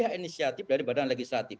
ya inisiatif dari badan legislatif